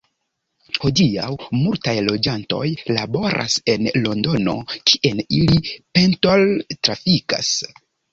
Hodiaŭ multaj loĝantoj laboras en Londono, kien ili pendol-trafikas.